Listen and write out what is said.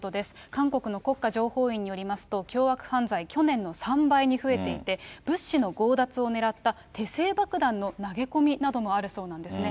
韓国の国家情報院によりますと、凶悪犯罪、去年の３倍に増えていて、物資の強奪を狙った手製爆弾の投げ込みなどもあるそうなんですね。